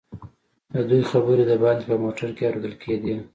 ددوئ خبرې دباندې په موټر کې اورېدل کېدې.